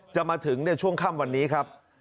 จะมาถึงในช่วงค่ำวันนี้ครับ